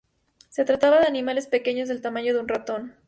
Se trataba de animales pequeños del tamaño de un ratón.